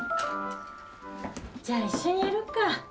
じゃあ一緒にやろっか。